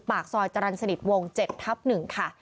ปากซอยจรรย์สนิทวง๗ทับ๑ค่ะ